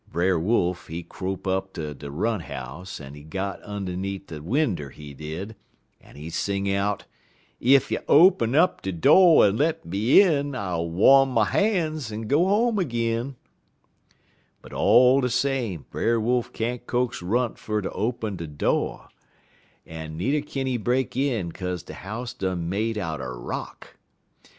"Brer Wolf, he crope up ter Runt house, en he got un'need de winder, he did, en he sing out: "'Ef you'll open de do' en let me in, I'll wom my han's en go home ag'in.' "But all de same, Brer Wolf can't coax Runt fer ter open de do', en needer kin he break in, kaze de house done made outer rock.